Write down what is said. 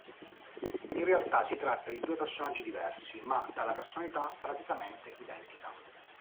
In realtà si tratta di due personaggi diversi ma dalla personalità praticamente identica.